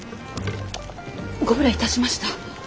ご無礼いたしました。